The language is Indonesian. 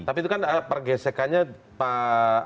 tapi itu kan pergesekannya pak